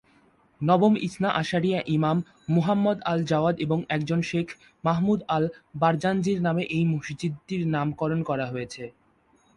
নবম ইসনা আশারিয়া ইমাম, মুহাম্মদ আল-জাওয়াদ এবং একজন শেখ, মাহমুদ আল-বারজানজির নামে এই মসজিদটির নামকরণ করা হয়েছে।